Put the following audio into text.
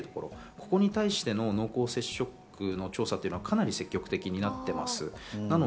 そこに対しての濃厚接触の調査は積極的になっています。